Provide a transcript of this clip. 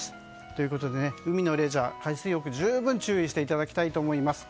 ということで海のレジャー、海水浴十分注意していただきたいと思います。